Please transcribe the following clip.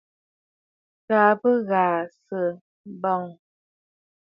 Kaa bì ghàʼà sɨ̀ bɔŋə̀.